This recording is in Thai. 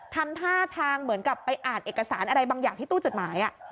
ทำท่าทางเหมือนกับไปอ่านเอกสารอะไรบางอย่างที่ตู้จดหมาย